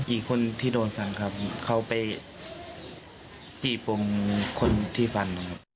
อีกคนที่โดนฟันครับเขาไปกี่ปุ่มคนที่ฟัน